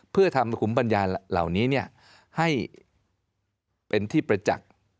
เพื่อทำภูมิปัญญาเหล่านี้ให้เป็นที่ประจักษ์